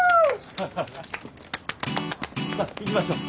さあ行きましょう。